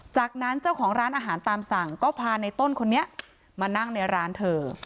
จากนั้นเจ้าของร้านอาหารตามสั่งก็พาในต้นคนนี้มานั่งในร้านเธอ